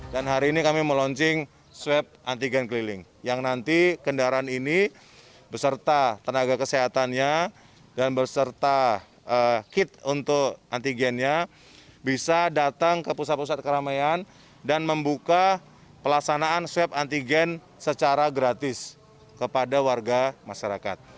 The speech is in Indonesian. dan hari ini kami mau launching suap antigen keliling yang nanti kendaraan ini beserta tenaga kesehatannya dan beserta kit untuk antigennya bisa datang ke pusat pusat keramaian dan membuka pelaksanaan suap antigen secara gratis kepada warga masyarakat